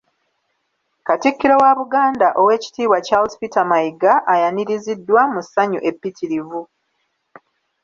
Katikkiro wa Buganda Oweekitiibwa Charles Peter Mayiga ayaniriziddwa mu ssanyu eppitirivu.